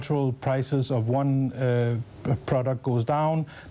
ที่ยังถูกต้อง